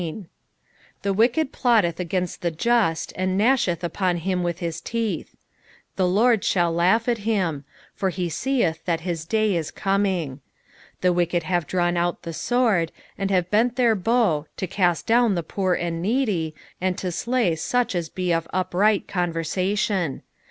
12 The wicked plotteth against the just, and gnashcth upon him with his teeth. 13 The Lord shall laugh at him: for he seeth that his day is coming. 14 The wicked have drawn out the sword, and have bent their bow, to cast down the poor and needy, and to slay such as be of upright conversation.